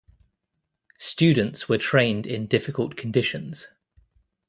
Students were trained in difficult conditions.